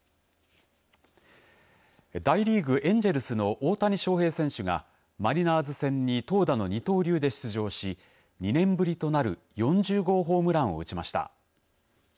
大リーグエンジェルスの大谷翔平選手がマリナーズ戦に投打の二刀流で出場し２年ぶりとなる４０号ホームランを打ちました。